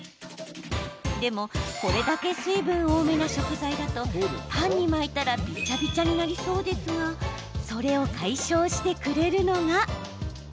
でもこれだけ水分多めな食材だとパンに巻いたらびちゃびちゃになりそうですがそれを解消してくれるのが。